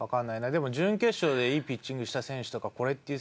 でも準決勝でいいピッチングした選手とかこれっていう。